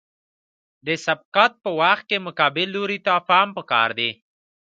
د سبقت په وخت کې مقابل لوري ته پام پکار دی